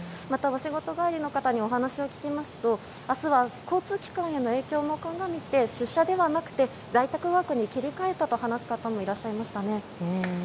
また、お仕事帰りの方にお話を聞きますと明日は交通機関への影響も鑑みて出社ではなく在宅ワークに切り替えたと話す方もいらっしゃいましたね。